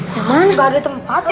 gak ada tempat ya